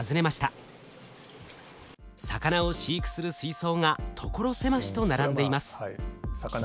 魚を飼育する水槽が所狭しと並んでいます。